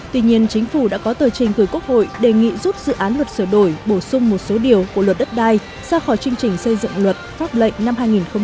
tuy nhiên chính phủ đã có tờ trình gửi quốc hội đề nghị rút dự án luật sửa đổi bổ sung một số điều của luật đất đai ra khỏi chương trình xây dựng luật pháp lệnh năm hai nghìn một mươi chín